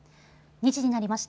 ２時になりました。